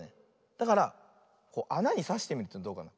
だからあなにさしてみるとどうかな。